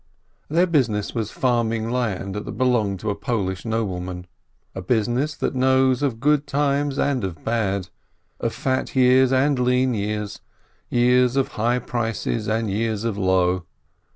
Their business was farming land that belonged to a Polish nobleman, a busi ness that knows of good times and of bad, of fat years and lean years, years of high prices and years of low.